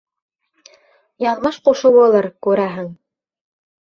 Яҙмыш ҡушыуылыр, күрәһең...